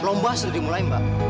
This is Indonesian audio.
lomba sudah dimulai mbak